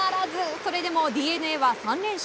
それでもＤｅＮＡは３連勝。